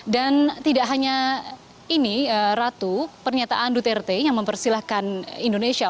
dan tidak hanya ini ratu pernyataan duterte yang mempersilahkan indonesia